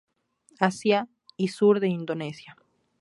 Asia y sur de Indonesia.